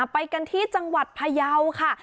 ไปกันที่จังหวัดพยาวค่ะ